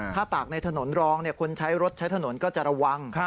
ถ้าตากในถนนรองคนใช้รถใช้ถนนก็จะระวัง